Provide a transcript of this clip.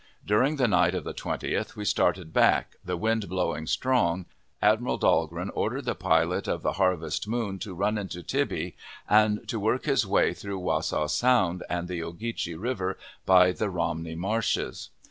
During the night of the 20th we started back, the wind blowing strong, Admiral Dahlgren ordered the pilot of the Harvest Moon to run into Tybee, and to work his way through to Wassaw Sound and the Ogeechee River by the Romney Marshes.